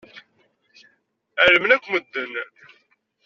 Ɛelmen akk medden.